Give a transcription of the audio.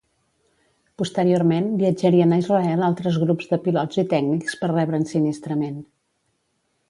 Posteriorment viatjarien a Israel altres grups de pilots i tècnics per rebre ensinistrament.